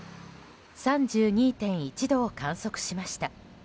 ３２．１度を観測しました。